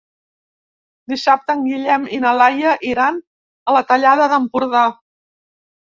Dissabte en Guillem i na Laia iran a la Tallada d'Empordà.